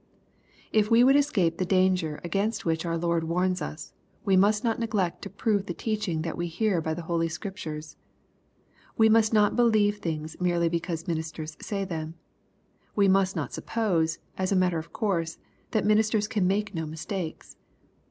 '* If we would escape the danger against which our Lord warns us, we must not neglect to prove the teaching that we hear by the holy Scriptures. We must not believe things merely because ministers say them. We must not suppose, as a matter of course, that ministers can make no mistakes.